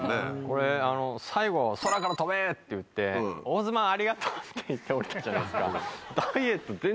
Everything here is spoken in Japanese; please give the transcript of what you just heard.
これ最後「空から飛べ」って言って「オズマンありがとう」って言って降りたじゃないですか。